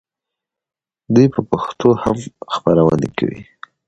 دوی په پښتو هم خپرونې کوي.